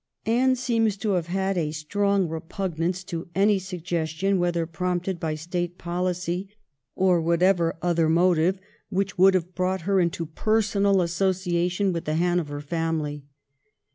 Anne seems to have had a strong repugnance to any suggestion, whether prompted by State policy or whatever other motive, which would have brought her into personal association with the Hanover family.